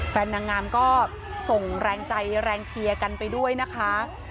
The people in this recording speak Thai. นางงามก็ส่งแรงใจแรงเชียร์กันไปด้วยนะคะ